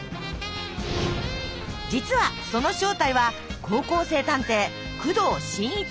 実はその正体は高校生探偵工藤新一。